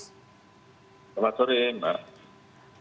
selamat sore mbak